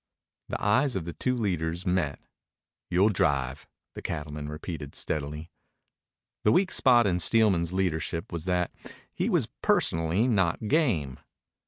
The eyes of the two leaders met. "You'll drive," the cattleman repeated steadily. The weak spot in Steelman's leadership was that he was personally not game.